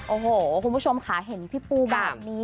โอ้โหคุณผู้ชมค่ะเห็นพี่ปูแบบนี้